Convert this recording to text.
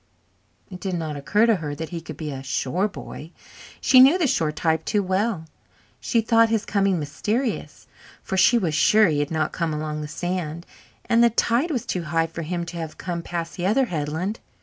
It did not occur to her that he could be a shore boy she knew the shore type too well. She thought his coming mysterious, for she was sure he had not come along the sand, and the tide was too high for him to have come past the other headland.